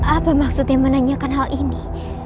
apa maksudnya menanyakan hal ini